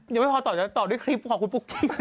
ยังไม่พอตอบด้วยคลิปของคุณพุกติ้ง